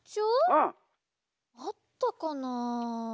☎うん！あったかなあ。